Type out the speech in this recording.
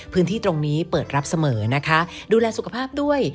พื้นที่ตรงนี้เปิดรับเสมอนะคะดูแลสุขภาพด้วย